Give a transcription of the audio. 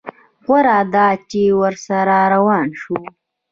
غوره ده چې ورسره روان شو.